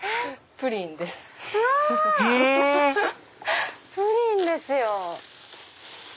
プリンですよ。